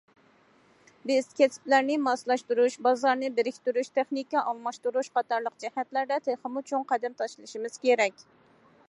بىز كەسىپلەرنى ماسلاشتۇرۇش، بازارنى بىرىكتۈرۈش، تېخنىكا ئالماشتۇرۇش قاتارلىق جەھەتلەردە تېخىمۇ چوڭ قەدەم تاشلىشىمىز كېرەك.